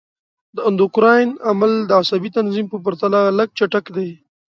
د اندوکراین عمل د عصبي تنظیم په پرتله لږ چټک دی.